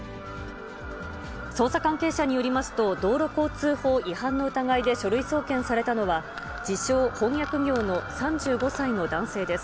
捜査関係者によりますと、道路交通法違反の疑いで書類送検されたのは、自称、翻訳業の３５歳の男性です。